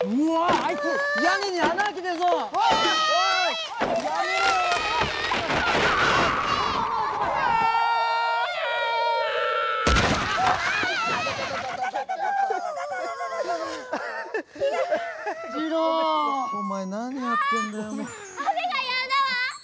あめがやんだわ！